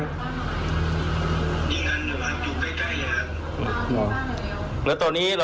ยิงกันอยู่ครับอยู่ใกล้ใกล้เลยครับ